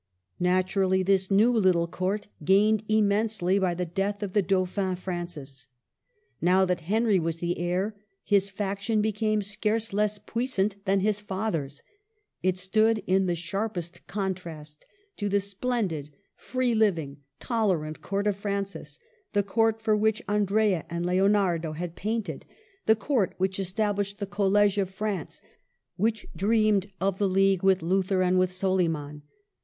Naturally, this new little Court gained im mensely by the death of the Dauphin Francis. Now that Henry was the heir, his faction became scarce less puissant than his father's. It stood in the sharpest contrast to the splendid, free living, tolerant Court of Francis, the Court for which Andrea and Lionardo had painted, the Court which established the College of France, 1/2 MARGARET OF ANGOULtME. which dreamed of the League with Luther and with Soliman.